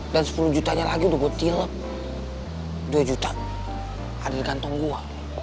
dan sepuluh jutanya lagi udah gue tilap dua juta hadir gantung gue